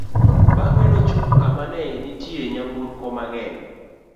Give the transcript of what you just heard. bang'e nochopo kama ne nitie nyamburko mang'eny